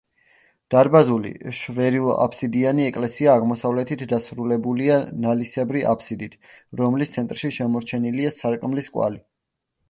დარბაზული, შვერილაბსიდიანი ეკლესია აღმოსავლეთით დასრულებულია ნალისებრი აბსიდით, რომლის ცენტრში შემორჩენილია სარკმლის კვალი.